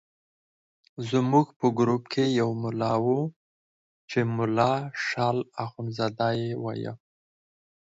زموږ په ګروپ کې یو ملا وو چې ملا شال اخندزاده یې وایه.